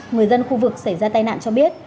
người dân khu vực xảy ra tai nạn cho biết